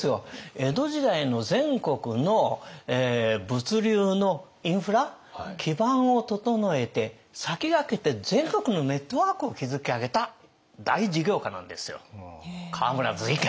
江戸時代の全国の物流のインフラ基盤を整えて先駆けて全国のネットワークを築き上げた大事業家なんですよ河村瑞賢。